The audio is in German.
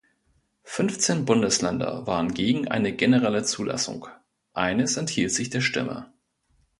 Fünfzehn Bundesländer waren gegen eine generelle Zulassung, eines enthielt sich der Stimme.